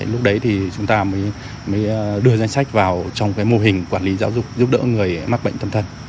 lúc đấy thì chúng ta mới đưa danh sách vào trong mô hình quản lý giáo dục giúp đỡ người mắc bệnh tâm thần